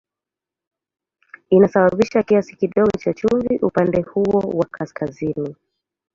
Inasababisha kiasi kidogo cha chumvi upande huo wa kaskazini.